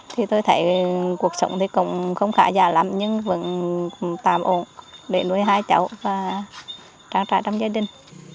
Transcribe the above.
thì tôi thấy cuộc sống thì cũng không khá già lắm nhưng vẫn tạm ổn để nuôi hai cháu và trang trại trong gia đình